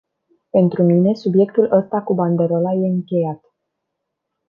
Pentru mine, subiectul ăsta cu banderola e încheiat.